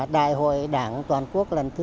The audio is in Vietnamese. đại hội đảng toàn quốc lần thứ một mươi hai